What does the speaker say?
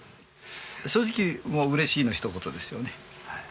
正直嬉しいのひと言ですよね。